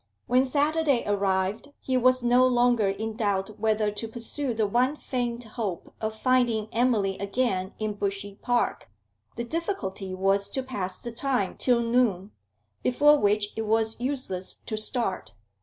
When Saturday arrived he was no longer in doubt whether to pursue the one faint hope of finding Emily again in Bushey Park; the difficulty was to pass the time till noon, before which it was useless to start.